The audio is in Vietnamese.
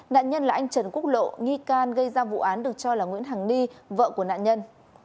nạn nhân là anh trần quốc lộ nghi can gây ra vụ án được cho là nguyễn hàng ni vợ của nạn nhân